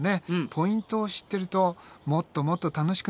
ポイントを知ってるともっともっと楽しくなるよ。